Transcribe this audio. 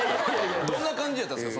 どんな感じやったんすか？